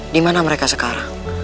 dimana mereka sekarang